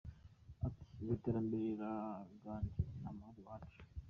Ati “Ubu iterambere riraganje ni amahoro iwacu.